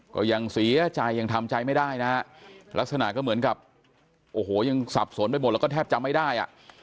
ก็ยังเสียใจยังทำใจไม่ได้นะฮะลักษณะก็เหมือนกับโอ้โหยังสับสนไปหมดแล้วก็แทบจำไม่ได้อ่ะ